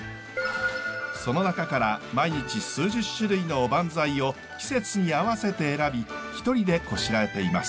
その中から毎日数十種類のおばんざいを季節に合わせて選び一人でこしらえています。